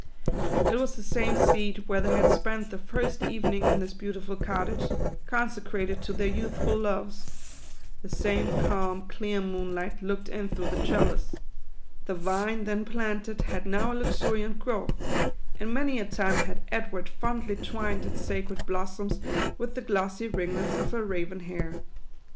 It was the same seat where they had spent the first evening in this beautiful cottage, consecrated to their youthful loves. The same calm, clear moonlight looked in through the trellis. The vine then planted had now a luxuriant growth ; and many a time had Edward fondly twined its sacred blossoms with the glossy ringlets of her raven hair.